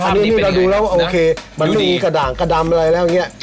อันนี้เราดูแล้วว่าโอเคมันไม่มีกระด่างกระดำอะไรแล้วอย่างนี้